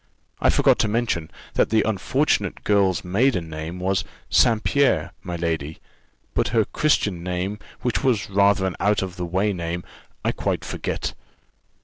I forgot to mention, that the unfortunate girl's maiden name was St. Pierre, my lady: but her Christian name, which was rather an out o' the way name, I quite forget."